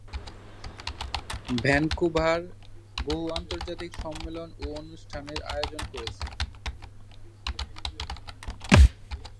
Vancouver বহু আন্তর্জাতিক সম্মেলন ও অনুষ্ঠানের আয়োজন করেছে।